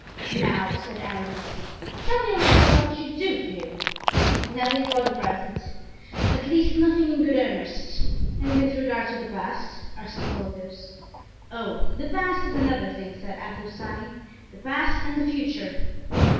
"Now," said Aramis, "tell me a little what you do fear." "Nothing for the present; at least, nothing in good earnest." "And with regard to the past?" asked Porthos. "Oh! the past is another thing," said Athos, sighing; "the past and the future."